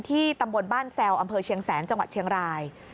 ตำบลบ้านแซวอำเภอเชียงแสนจังหวัดเชียงราย